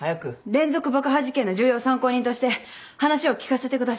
連続爆破事件の重要参考人として話を聞かせてください。